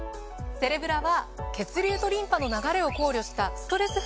セレブラは血流とリンパの流れを考慮したストレス